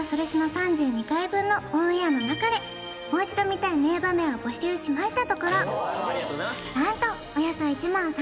３２回分のオンエアの中でもう一度見たい名場面を募集しましたところありがとうございます